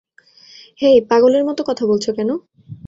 হেই, পাগলের মত কথা বলছো কেন?